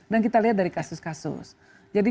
dan kita lihat dari kasus kasus jadi